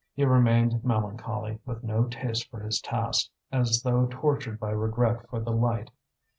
He remained melancholy, with no taste for his task, as though tortured by regret for the light.